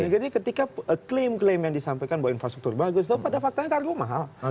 jadi ketika klaim klaim yang disampaikan bahwa infrastruktur bagus pada faktanya kargo mahal